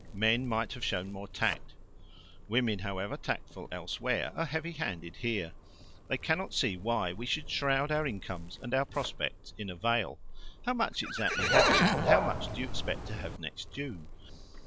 Men might have shown more tact. Women, however tactful elsewhere, are heavy handed here. They cannot see why we should shroud our incomes and our prospects in a veil. "How much exactly have you, and how much do you expect to have next June?"